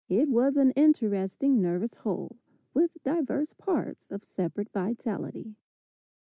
It was an interesting, nervous whole, with divers parts of separate vitality.